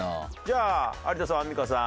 じゃあ有田さん・アンミカさん